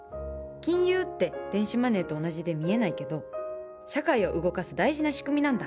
金融って電子マネーと同じで見えないけど社会を動かす大事な仕組みなんだ。